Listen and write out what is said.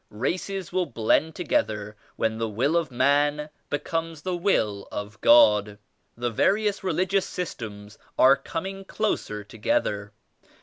Races will blend together when the will of man be comes the Will of God. The various religious systems are coming closer together.